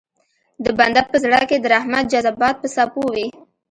د بنده په زړه کې د رحمت جذبات په څپو وي.